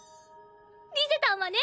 リゼたんはね